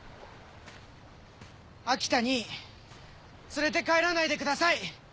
秋田に連れて帰らないでください。